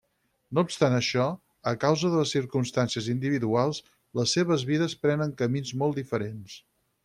No obstant això, a causa de circumstàncies individuals, les seves vides prenen camins molt diferents.